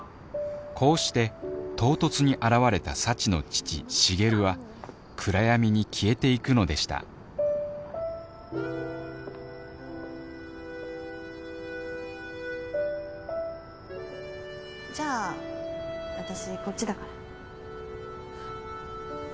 こうして唐突に現れた幸の父重流は暗闇に消えて行くのでしたじゃあ私こっちだから。